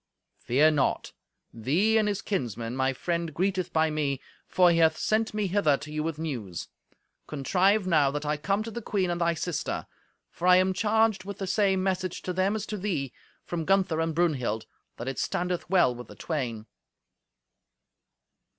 "Fear naught. Thee and his kinsmen my friend greeteth by me, for he hath sent me hither to you with news. Contrive now that I come to the queen and thy sister. For I am charged with the same message to them as to thee, from Gunther and Brunhild: that it standeth well with the twain."